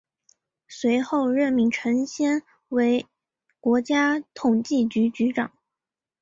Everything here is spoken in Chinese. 随后任命陈先为国家统计局局长。